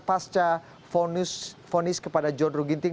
pasca fonis kepada john ruh ginting